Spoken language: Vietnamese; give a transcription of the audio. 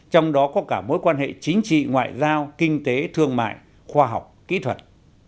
trong đó có cả mối quan hệ chính trị ngoại giao kinh tế thương mại khoa học kỹ thuật